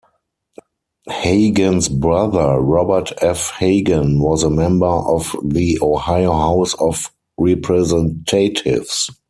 Hagan's brother Robert F. Hagan was a member of the Ohio House of Representatives.